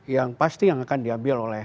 yang pasti yang akan diambil oleh